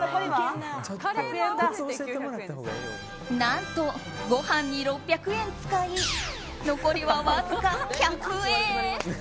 何と、ご飯に６００円使い残りはわずか１００円。